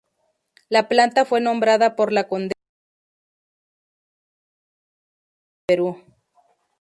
La planta fue nombrada por la condesa de Chinchón, esposa del virrey del Perú.